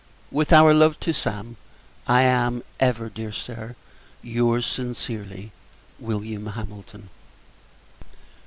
With our love to Sam, I am, ever, dear Sir, your's, sincerely, Wm. HAMILTON.